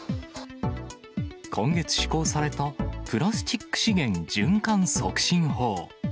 今月施行されたプラスチック資源循環促進法。